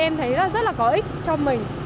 em thấy rất là có ích cho mình